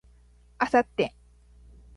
明後日